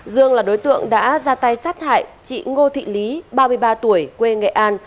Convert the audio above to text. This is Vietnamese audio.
dương là đối tượng đã ra tay sát hại chị ngô thị lý ba mươi ba tuổi quê nghệ an